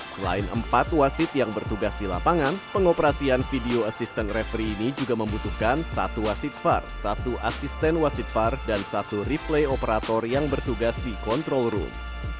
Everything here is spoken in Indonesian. selain empat wasit yang bertugas di lapangan pengoperasian video assistant referee ini juga membutuhkan satu wasit var satu asisten wasit var dan satu replay operator yang bertugas di control room